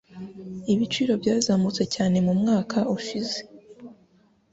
Ibiciro byazamutse cyane mumwaka ushize.